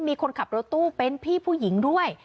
มีคนขับรถตู้เป็นพี่ผู้หญิงด้วย